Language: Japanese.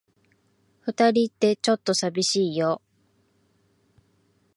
二人って、ちょっと寂しいよ。